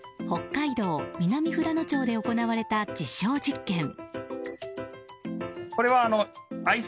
北海道南富良野町で行われた実証実験。